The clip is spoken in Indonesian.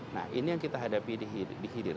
nah ini yang kita hadapi di hilir